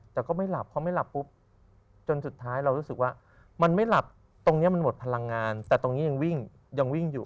แต่ก็ไม่หลับเพราะไม่หลับปุ๊บจนสุดท้ายเรารู้สึกว่ามันไม่หลับตรงนี้มันหมดพลังงานแต่ตรงนี้ยังวิ่งยังวิ่งอยู่